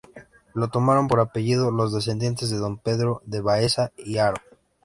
Lo tomaron por apellido los descendientes de don Pedro de Baeza y Haro.